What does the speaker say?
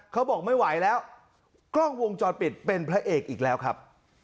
เขาบอกไม่ไหวแล้วกล้องวงจรปิดเป็นพระเอกอีกแล้วครับ